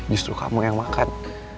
justru kamu yang makan